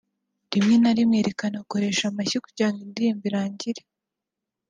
Rimwe na rimwe rikanakoresha amashyi kugera indirimbo irangiye